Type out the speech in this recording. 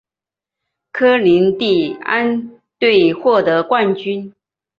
科林蒂安队获得冠军。